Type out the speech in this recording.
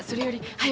はい！